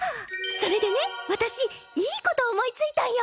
それでね私いいこと思いついたんよ。